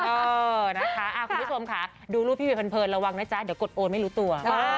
เออนะคะคุณผู้ชมค่ะดูรูปพี่วิวเพลินระวังนะจ๊ะเดี๋ยวกดโอนไม่รู้ตัว